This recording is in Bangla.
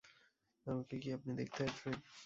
আমাকে কি আপনি দেখতে আসবেন?